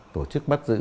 tổ chức bắt giữ